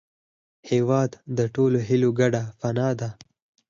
هېواد د ټولو هیلو ګډه پناه ده.